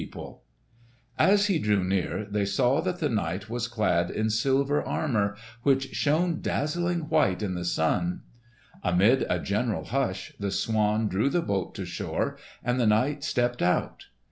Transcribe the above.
Durand et Fils, Paris] As he drew near, they saw that the knight was clad in silver armour which shone dazzling white in the sun. Amid a general hush, the swan drew the boat to shore, and the knight stepped out.